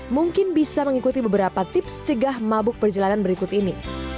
mungkin bisa mengikuti beberapa tips cegah mabuk perjalanan berikut ini